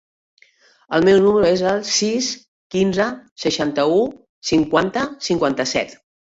El meu número es el sis, quinze, seixanta-u, cinquanta, cinquanta-set.